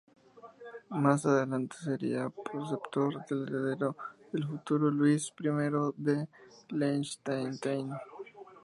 Más adelante sería preceptor del heredero, el futuro Luis I de Liechtenstein.